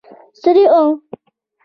ستړي و.